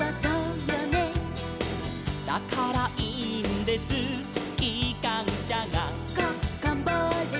「だからいいんですきかんしゃが」